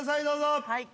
どうぞ。